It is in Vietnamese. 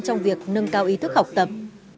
trong việc nâng cao ý thức học tập